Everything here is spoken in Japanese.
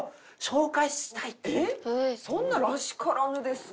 そんならしからぬですね。